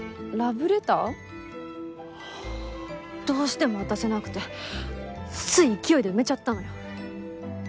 どうしても渡せなくてつい勢いで埋めちゃったのよ。